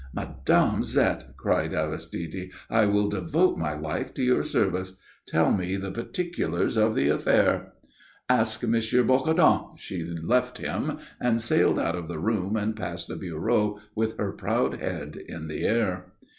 "Mme. Zette," cried Aristide, "I will devote my life to your service. Tell me the particulars of the affair." "Ask M. Bocardon." She left him, and sailed out of the room and past the bureau with her proud head in the air.